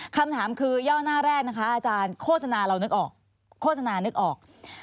คำถามคือย่อหน้าแรกอาจารย์โฆษณาเรานึกออก